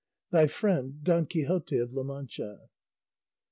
Thy friend, DON QUIXOTE OF LA MANCHA.